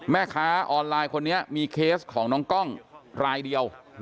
แม่ค้าออนไลน์คนนี้มีเคสของน้องกล้องรายเดียว